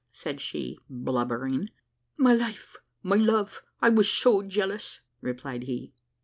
said she blubbering. "My life, my love, I was so jealous!" replied he.